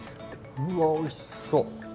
うわおいしそう。